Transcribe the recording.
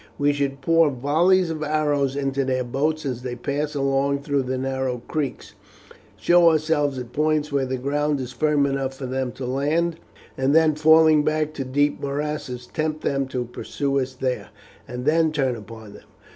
We should pour volleys of arrows into their boats as they pass along through the narrow creeks, show ourselves at points where the ground is firm enough for them to land, and then falling back to deep morasses tempt them to pursue us there, and then turn upon them.